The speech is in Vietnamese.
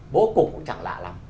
vô cùng cũng chẳng lạ lắm